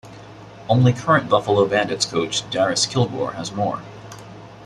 Only current Buffalo Bandits coach Darris Kilgour has more.